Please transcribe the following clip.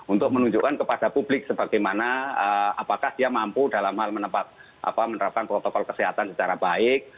untuk menunjukkan kepada publik sebagaimana apakah dia mampu dalam hal menerapkan protokol kesehatan secara baik